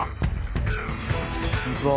こんにちは。